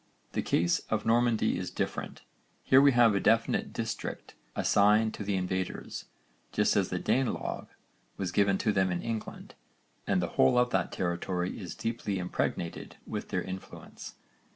The case of Normandy is different. Here we have a definite district assigned to the invaders, just as the Danelagh was given to them in England, and the whole of that territory is deeply impregnated with their influence.